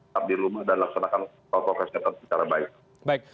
dan laksanakan protokol kesehatan secara baik